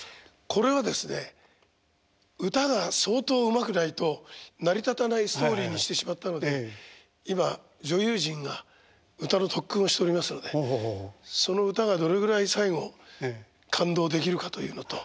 これはですね歌が相当うまくないと成り立たないストーリーにしてしまったので今女優陣が歌の特訓をしておりますのでその歌がどれぐらい最後感動できるかというのと。